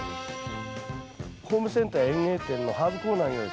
ホームセンターや園芸店のハーブコーナーにはですね